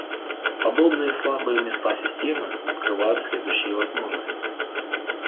Подобные слабые места системы открывают следующие возможности